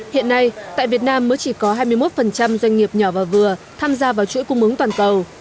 hiện nay tại việt nam mới chỉ có hai mươi một doanh nghiệp nhỏ và vừa tham gia vào chuỗi cung ứng toàn cầu